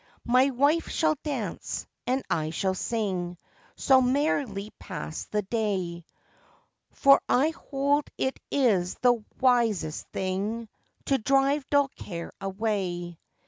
My wife shall dance, and I shall sing, So merrily pass the day; For I hold it is the wisest thing, To drive dull care away.